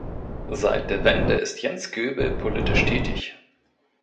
Seit der Wende ist Jens Goebel politisch tätig.